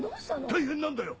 大変なんだよ！